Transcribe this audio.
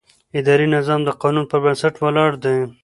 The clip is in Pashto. اداري نظام د قانون پر بنسټ ولاړ دی.